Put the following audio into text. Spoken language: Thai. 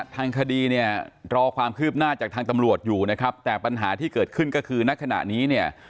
ทางคดีเนี่ยรอความคืบหน้าจากทางตำรวจอยู่นะครับแต่ปัญหาที่เกิดขึ้นก็คือณขณะนี้เนี่ย